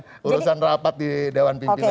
itu urusan rapat di dawan pimpinan pusat